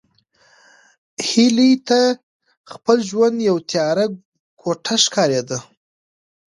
هیلې ته خپل ژوند یوه تیاره کوټه ښکارېده.